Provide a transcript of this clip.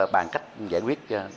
bàn cách giải quyết